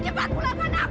cepat pulangkan aku